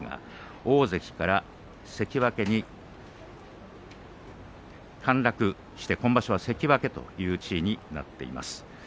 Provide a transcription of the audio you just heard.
大関から関脇に陥落して今場所は関脇という地位になっています。